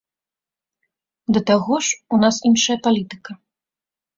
Да таго ж, у нас іншая палітыка.